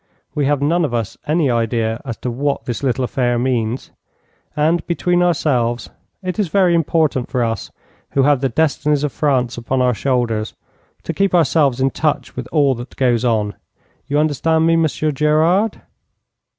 We have none of us any idea as to what this little affair means, and, between ourselves, it is very important for us, who have the destinies of France upon our shoulders, to keep ourselves in touch with all that goes on. You understand me, Monsieur Gerard?'